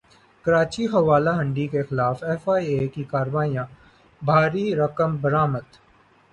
کراچی حوالہ ہنڈی کیخلاف ایف ائی اے کی کارروائیاں بھاری رقوم برامد